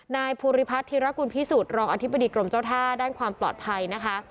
นายภูริพัฒนธิรกุลพิสุทธิ์รองอธิบดีกรมเจ้าท่าด้านความปลอดภัยนะคะ